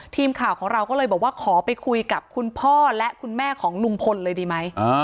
ทีมข่าวของเราก็เลยบอกว่าขอไปคุยกับคุณพ่อและคุณแม่ของลุงพลเลยดีไหม